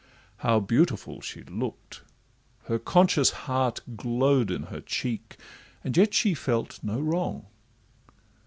How beautiful she look'd! her conscious heart Glow'd in her cheek, and yet she felt no wrong.